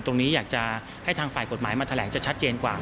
อยากจะให้ทางฝ่ายกฎหมายมาแถลงจะชัดเจนกว่า